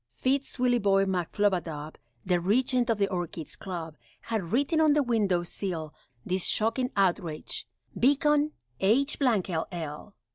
Fitz Willieboy McFlubadub, The Regent of the Orchids' Club, Had written on the window sill, This shocking outrage "Beacon H ll!"